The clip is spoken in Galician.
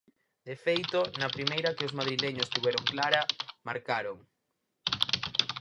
De feito, na primeira que os madrileños tiveron clara, marcaron.